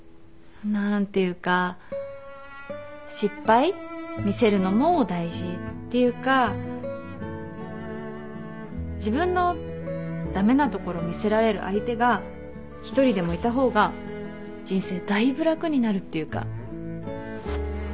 何ていうか失敗見せるのも大事っていうか自分の駄目なところ見せられる相手が一人でもいた方が人生だいぶ楽になるっていうか。